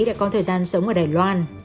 đã có thời gian sống ở đài loan